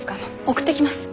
送っていきます。